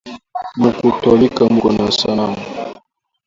Mu katholika muko ma sanamu